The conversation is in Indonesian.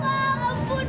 papa ampun papa